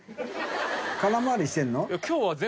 空回りしてるの？